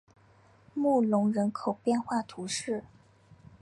穆龙人口变化图示